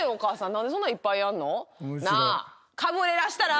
何でそんないっぱいやんの？なあ？